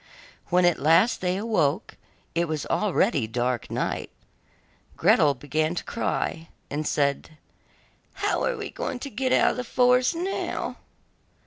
When at last they awoke, it was already dark night. Gretel began to cry and said: 'How are we to get out of the forest now?